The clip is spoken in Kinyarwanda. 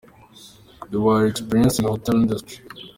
You are experienced in Hotel Industry.